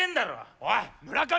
おい村上！